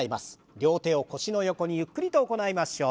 両手を腰の横にゆっくりと行いましょう。